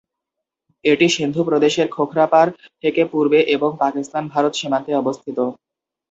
এটি সিন্ধু প্রদেশের খোখরাপাড় থেকে পূর্বে এবং পাকিস্তান-ভারত সীমান্তে অবস্থিত।